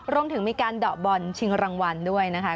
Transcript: รวมถึงมีการเดาะบอลชิงรางวัลด้วยนะคะ